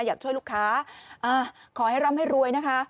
อยากช่วยลูกค้าขอให้ร่ำให้รวยนะคะ